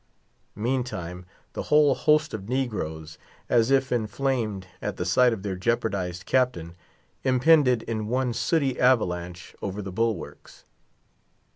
Meantime, the whole host of negroes, as if inflamed at the sight of their jeopardized captain, impended in one sooty avalanche over the bulwarks.